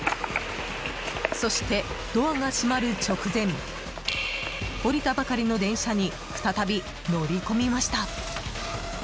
そして、ドアが閉まる直前降りたばかりの電車に再び乗り込みました。